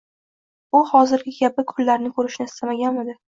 U hozirgi kabi kunlarni ko‘rishni istaganmidi